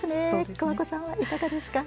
桑子さんはいかがですか。